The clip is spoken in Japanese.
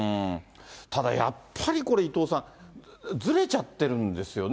ただ、やっぱりこれ、伊藤さん、ずれちゃってるんですよね。